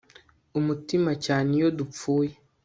umutima cyane iyo dupfuye